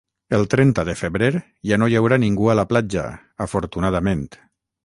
El trenta de febrer ja no hi haurà ningú a la platja, afortunadament